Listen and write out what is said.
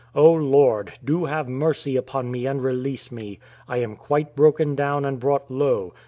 O Lord, do have mercy upon me and release me. I am quite broken down and brought low.